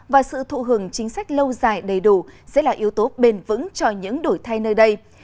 và sự thụ hưởng chính sách lâu dài đầy đủ sẽ là yếu tố bền vững cho những đổi thay nơi đây